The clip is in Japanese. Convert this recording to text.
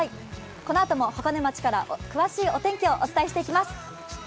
このあとも箱根町から詳しいお天気をお伝えしていきます。